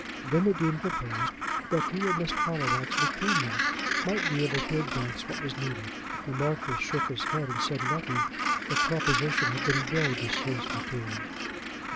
Then the Dean proposed that he and Miss Tallowax between them might be able to advance what was needed. The Marquis shook his head and said nothing. The proposition had been very distasteful to him.